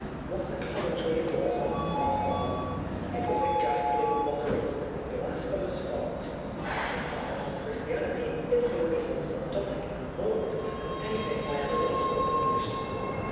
What a commentary it was on " Our Father I" It was a ghastly mockery, a blasphemous farce, a satire on Christianity infinitely more sardonic and mordant than anything I ever wrote or published.